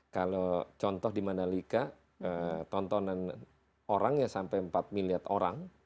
kalau contoh di mandalika tontonan orangnya sampai empat miliar orang